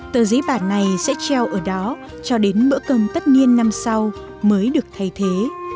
tờ giấy bản này sẽ treo ở đó cho đến bữa cơm tất niên năm sau mới được thay thế